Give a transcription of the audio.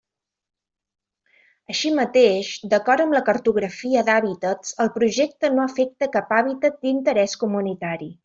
Així mateix, d'acord amb la cartografia d'hàbitats el projecte no afecta cap hàbitat d'interès comunitari.